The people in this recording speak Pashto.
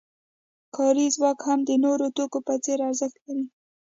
کاري ځواک هم د نورو توکو په څېر ارزښت لري